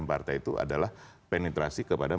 partai itu adalah penetrasi kepada